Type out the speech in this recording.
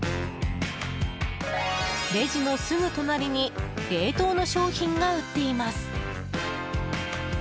レジのすぐ隣に冷凍の商品が売っています。